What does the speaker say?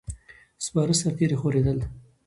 سپاره سرتیري خورېدل.